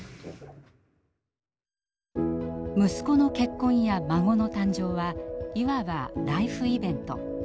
息子の結婚や孫の誕生はいわばライフイベント。